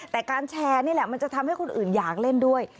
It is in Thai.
แต่การแชร์นี่แหละมันจะทำให้คนอื่นอยากเล่นด้วย